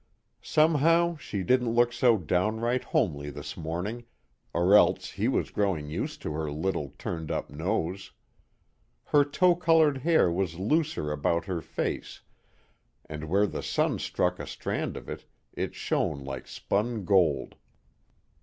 Somehow she didn't look so downright homely this morning, or else he was growing used to her little, turned up nose. Her tow colored hair was looser about her face, and where the sun struck a strand of it, it shone like spun gold.